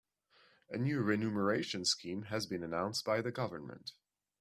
A new renumeration scheme has been announced by the government.